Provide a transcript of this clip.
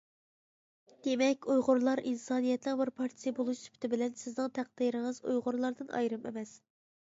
دېمەك، ئۇيغۇرلار ئىنسانىيەتنىڭ بىر پارچىسى بولۇش سۈپىتى بىلەن، سىزنىڭ تەقدىرىڭىز ئۇيغۇرلاردىن ئايرىم ئەمەس.